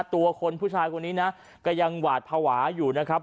ตัวคนผู้ชายคนนี้นะก็ยังหวาดภาวะอยู่นะครับ